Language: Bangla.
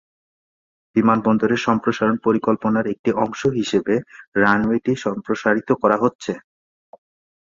বিমানবন্দরের সম্প্রসারণ পরিকল্পনার একটি অংশ হিসেবে রানওয়েটি সম্প্রসারিত করা হচ্ছে।